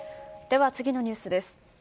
では次のニュースです。